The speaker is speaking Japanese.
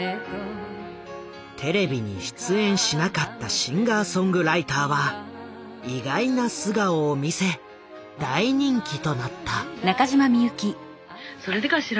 テレビに出演しなかったシンガーソングライターは意外な素顔を見せ大人気となった。